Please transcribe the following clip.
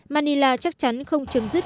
manila chắc chắn không chấm dứt